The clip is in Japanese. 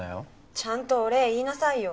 ちゃんとお礼言いなさいよ。